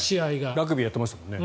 ラグビーやってましたもんね。